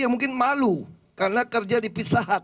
yang mungkin malu karena kerja di pisahat